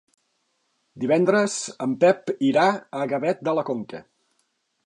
Divendres en Pep irà a Gavet de la Conca.